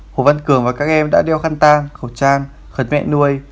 hồ văn cường và các em đã đeo khăn tang khẩu trang khẩn mẹ nuôi